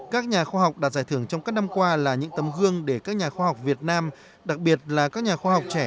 các nhà khoa học đạt giải thưởng trong các năm qua là những tấm gương để các nhà khoa học việt nam đặc biệt là các nhà khoa học trẻ